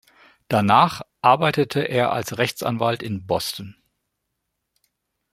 Danach arbeitete er als Rechtsanwalt in Boston.